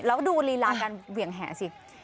แล้วดูลีลาการเหวี่ยงแห่สิ